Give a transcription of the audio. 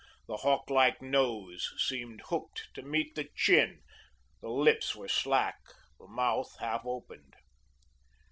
The hawk like nose seemed hooked to meet the chin; the lips were slack, the mouth half opened.